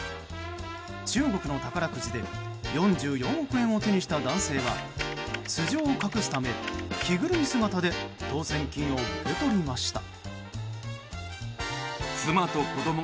中国の宝くじで４４億円を手にした男性は素性を隠すため着ぐるみ姿で当せん金を受け取りました。